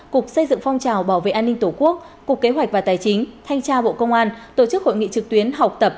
cục xây dựng phong trào bảo vệ an ninh tổ quốc cục kế hoạch và tài chính thanh tra bộ công an tổ chức hội nghị trực tuyến học tập